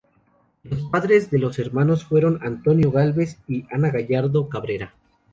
Los padres de los hermanos fueron Antonio de Gálvez y Ana Gallardo y Cabrera.